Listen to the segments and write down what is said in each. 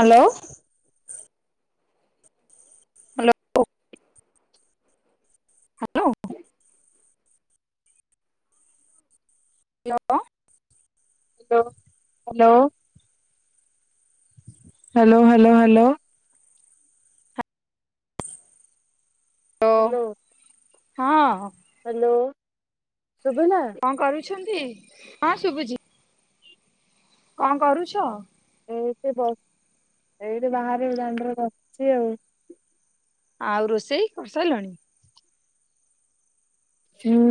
Hello. Hello hello. Hello. Hello hello hello hello hello. Hello. ହଁ। Hello. ଶୁଭିଲା। ଅଛନ୍ତି ହଁ ଶୁଭୁଛି। କଣ କରୁଛ। ଏଇଠି ବ ଏଇଠି ବାହାରେ ଦାଣ୍ଡରେ ବସିଛି ଆଉ। ଆଉ ରୋଷେଇ କରିସାରିଲଣି।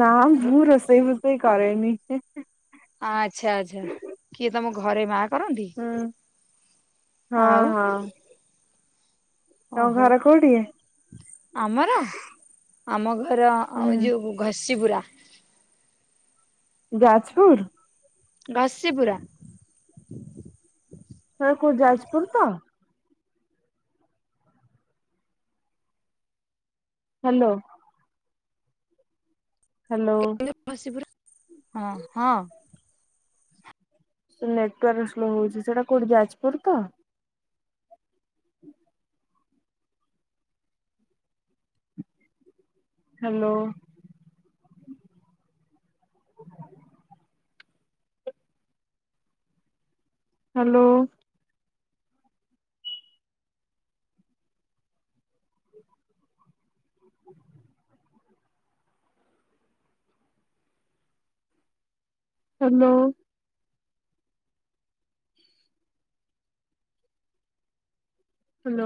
ନା ମୁଁ ରୋଷେଇ ଫୋଷେଇ ରୋଷେଇ କରେନି। ଆଚ୍ଛା ଆଚ୍ଛା। କିଏ ତମ ଘରେ ମା କରନ୍ତି? ହୁଁ ହଁ ଆଉ ହଁ। ତମ ଓହୋ। ଘର କୋଉଠି? ଆମର ଆମ ଘ ଘର ଯୋଉ ଘସ୍ ଶିବୁରା। ଯାଜପୁର। ଘସିପୁରା। ମାନେ କୋଉ ଯାଜପୁର ତ? ହ୍ୟାଲୋ। ହ୍ୟାଲୋ। ଘଷିପୁରା ହଁ ହଁ। ନେଟୱାର୍କ ସ୍ଲୋ ହଉଛି ସେଟା କୋଉଠି ଯାଜପୁର ତ। ହ୍ୟାଲୋ। ହ୍ୟାଲୋ। ହ୍ୟାଲୋ। ହ୍ୟାଲୋ।